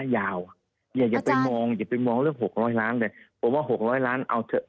อย่าไปมองเรื่อง๖๐๐ล้านเอาเถอะ